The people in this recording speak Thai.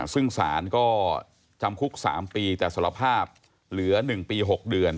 ซึ่งศาลก็จำคุกสามปีแต่สรภาพเหลือหนึ่งปีหกเดือน